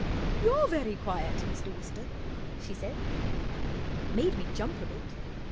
'You're very quiet, Mr. Wooster/' she said. Made me jump a bit.